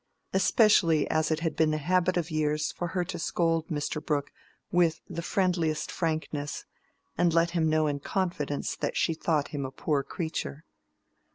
especially as it had been the habit of years for her to scold Mr. Brooke with the friendliest frankness, and let him know in confidence that she thought him a poor creature.